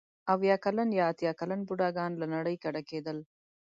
اوه کلن یا اتیا کلن بوډاګان له نړۍ کډه کېدل.